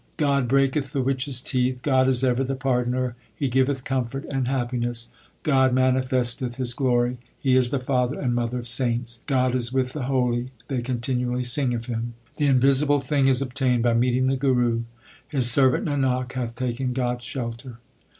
God breaketh the witch s teeth. God is ever the pardoner, He giveth comfort and happiness, God manifesteth His glory ; He is the father and mother of saints : God is with the holy ; They continually sing of Him. The Invisible Thing l is obtained by meeting the Guru. His servant Nanak hath taken God s shelter.